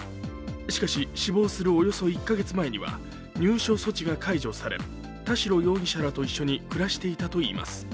しかし、死亡するおよそ１か月前には入所措置が解除され、田代容疑者らと一緒に暮らしていたといいます。